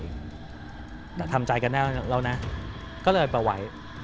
แต่ทำใจกันแน่แล้วนะก็เลยไปไว้